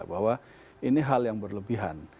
bahwa ini hal yang berlebihan